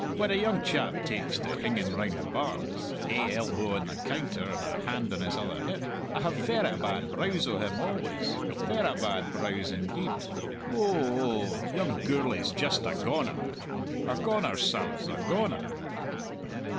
When a young chap takes to hinging round bars, ae elbow on the counter and a hand on his other hip, I have verra bad brows o' him always verra bad brows, indeed. Oh oh, young Gourlay's just a goner! a goner, sirs a goner!"